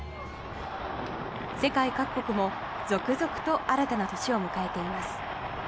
世界各国も続々と新たな年を迎えています。